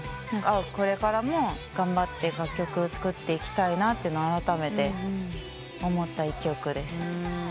これからも頑張って楽曲を作っていきたいなとあらためて思った１曲です。